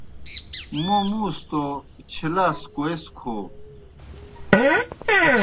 موں مُوݩس توْ چھلاس کوئیس کھو